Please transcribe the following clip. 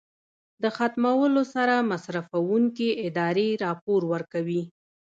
د ختمولو سره مصرفوونکې ادارې راپور ورکوي.